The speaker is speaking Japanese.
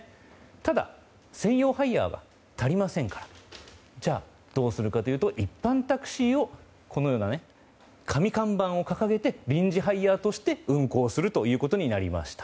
ただ、専用ハイヤーは足りませんからじゃあ、どうするかというと一般タクシーをこのような紙看板を掲げて臨時ハイヤーとして運行するということになりました。